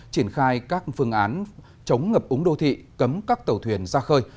triển khai các phương án chống ngập úng đô thị cấm các tàu thuyền ra khơi